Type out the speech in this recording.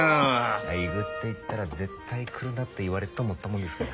行ぐって言ったら絶対来るなって言われると思ったものですから。